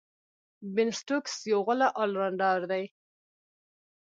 بین سټوکس یو غوره آل راونډر دئ.